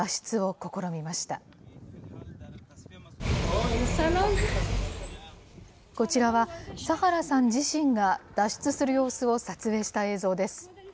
こちらはサハラさん自身が脱出する様子を撮影した映像です。